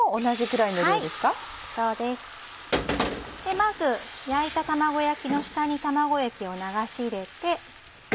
まず焼いた卵焼きの下に卵液を流し入れて。